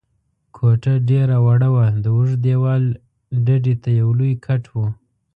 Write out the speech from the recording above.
کوټه ډېره وړه وه، د اوږد دېوال ډډې ته یو لوی کټ و.